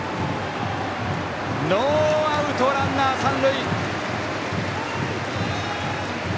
ノーアウトランナー、三塁。